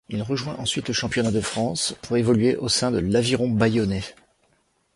Il rejoint ensuite le championnat de France pour évoluer au sein de l'Aviron bayonnais.